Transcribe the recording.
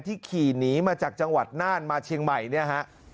ขี่หนีมาจากจังหวัดน่านมาเชียงใหม่เนี่ยฮะ